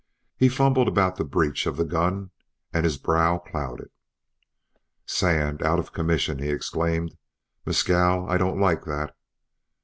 He fumbled about the breach of the gun and his brow clouded. "Sand! Out of commission!" he exclaimed. "Mescal, I don't like that."